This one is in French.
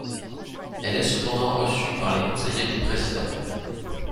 Elle est cependant reçue par les conseillers du président.